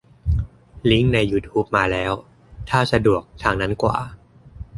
ลิงก์ในยูทูบมาแล้ว ถ้าสะดวกทางนั้นกว่า